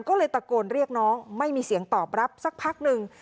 ก็เลยตะโกนเรียกน้องไม่มีเสียงตอบรับสักพักหนึ่ง